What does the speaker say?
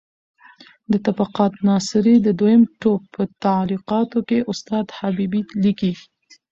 د طبقات ناصري د دویم ټوک په تعلیقاتو کې استاد حبیبي لیکي: